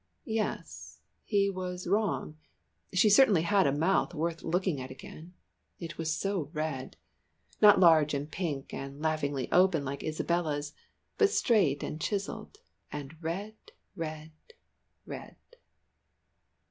Yes he was wrong, she had certainly a mouth worth looking at again. It was so red. Not large and pink and laughingly open like Isabella's, but straight and chiselled, and red, red, red.